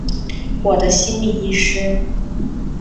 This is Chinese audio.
我的心理医师